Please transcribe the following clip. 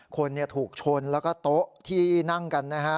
คนถูกชนแล้วก็โต๊ะที่นั่งกันนะฮะ